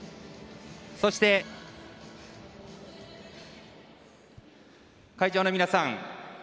そして、会場の皆さん。